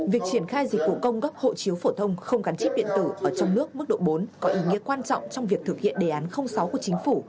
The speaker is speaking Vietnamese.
việc triển khai dịch vụ công cấp hộ chiếu phổ thông không gắn chip điện tử ở trong nước mức độ bốn có ý nghĩa quan trọng trong việc thực hiện đề án sáu của chính phủ